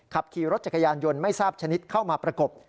ขับขี่รถจักรยานยนต์ไม่ทราบชนิดเข้ามาประกบ